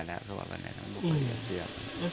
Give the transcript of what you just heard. มันเป็นบ้างไหนอาจารย์